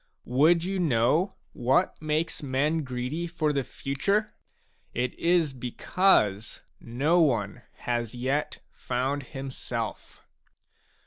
Would you know what makes men greedy for the future ? It is because no one has yet found himself.